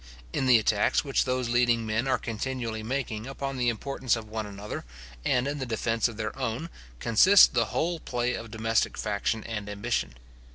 In the attacks which those leading men are continually making upon the importance of one another, and in the defence of their own, consists the whole play of domestic faction and ambition.